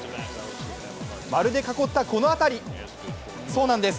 丸で囲ったこの辺り、そうなんです